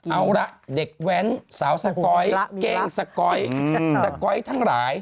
เอาละเด็กแว้นสาวสก๊อยเกงสก๊อยสก๊อยทั้งหลาย